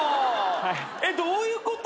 えっどういうこと！？